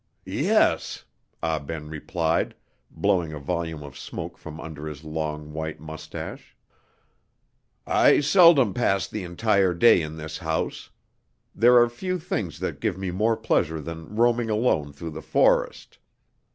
"Yes," Ah Ben replied, blowing a volume of smoke from under his long, white moustache; "I seldom pass the entire day in this house. There are few things that give me more pleasure than roaming alone through the forest.